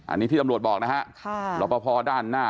อันนี้ที่ตำรวจบอกนะฮะค่ะรอปภด้านหน้า